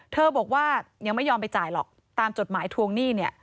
บอกว่ายังไม่ยอมไปจ่ายหรอกตามจดหมายทวงหนี้เนี่ย